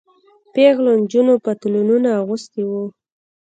پيغلو نجونو پتلونونه اغوستي وو.